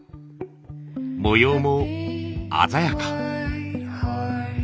模様も鮮やか。